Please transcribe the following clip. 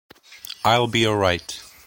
I'll be alright.